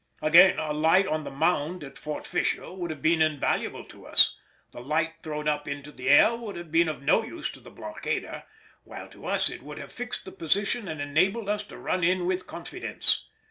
Again, a light on the Mound at Fort Fisher would have been invaluable to us; the light thrown up into the air would have been of no use to the blockader, while to us it would have fixed the position and enabled us to run in with confidence.